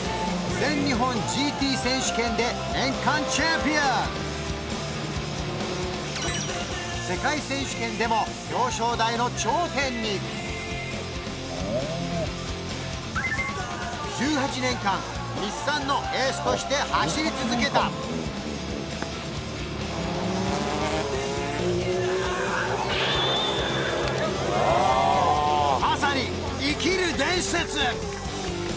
日産世界選手権でも表彰台の頂点に１８年間日産のエースとして走り続けたまさに生きる伝説。